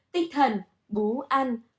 tinh thần bú ăn